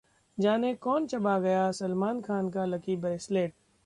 जानें कौन चबा गया सलमान खान का लकी ब्रेसलेट...